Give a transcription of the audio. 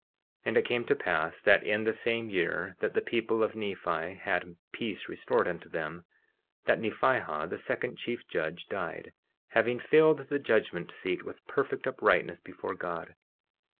50:37 And it came to pass that in the same year that the people of Nephi had peace restored unto them, that Nephihah, the second chief judge, died, having filled the judgment seat with perfect uprightness before God.